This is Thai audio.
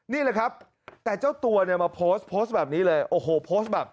นี่แหละครับแต่เจ้าตัวเนี่ยมาโพสต์โพสต์แบบนี้เลยโอ้โหโพสต์แบบ